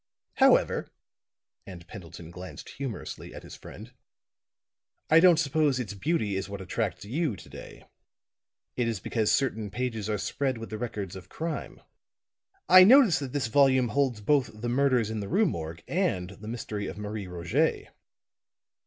However," and Pendleton glanced humorously at his friend, "I don't suppose its beauty is what attracts you to day. It is because certain pages are spread with the records of crime. I notice that this volume holds both 'The Murders in the Rue Morgue' and the 'Mystery of Marie Roget.'"